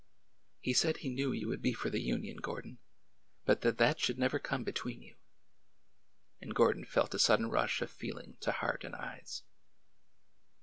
" He said he knew you would be for the Union, Gor don, but that that should never come between you," and Gordon felt a sudden rush of feeling to heart and eyes.